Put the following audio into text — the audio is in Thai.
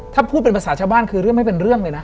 ถ้าพูดเป็นภาษาชาวบ้านคือเรื่องไม่เป็นเรื่องเลยนะ